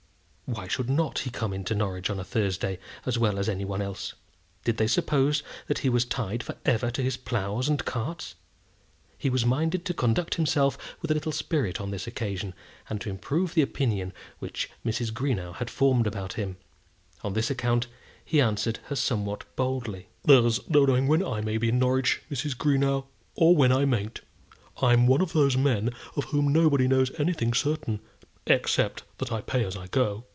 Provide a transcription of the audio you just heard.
Why should not he come into Norwich on a Thursday, as well as any one else? Did they suppose that he was tied for ever to his ploughs and carts? He was minded to conduct himself with a little spirit on this occasion, and to improve the opinion which Mrs. Greenow had formed about him. On this account he answered her somewhat boldly. "There's no knowing when I may be in Norwich, Mrs. Greenow, or when I mayn't. I'm one of those men of whom nobody knows anything certain, except that I pay as I go."